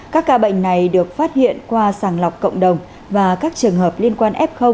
các ca bệnh này được phát hiện qua sàng lọc cộng đồng và các trường hợp liên quan f